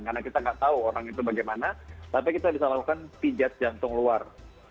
karena kita nggak tahu orang itu bagaimana tapi kita bisa lakukan pijat jantung luar